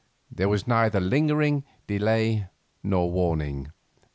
There was neither lingering, delay, nor warning.